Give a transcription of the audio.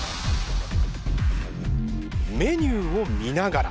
メニューを見ながら。